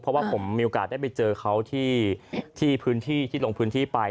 เพราะว่าผมมีโอกาสได้ไปเจอเขาที่พื้นที่ที่ลงพื้นที่ไป